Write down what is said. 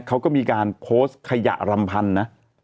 เขาก็มีการโพสต์ขยะรำพันนะ